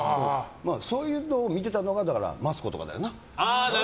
そういうのを見てたのがマツコとかだよね。